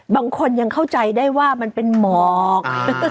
บางคนยังเข้าใจได้ว่ามันเป็นหมอก